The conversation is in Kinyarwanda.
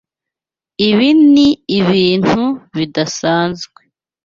Ibi ni ibintu bidasanzwe.